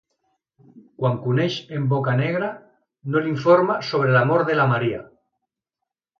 Quan coneix en Boccanegra, no l'informa sobre la mort de la Maria.